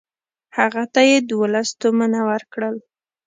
هغه ته یې دوولس تومنه ورکړل.